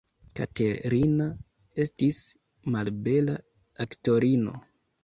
Katerina estis malbela aktorino.